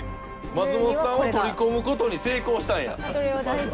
松本さんを取り込む事に成功したんや。